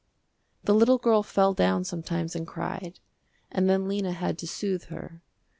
The little girl fell down sometimes and cried, and then Lena had to soothe her.